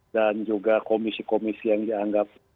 dan juga komisi komisi yang dianggap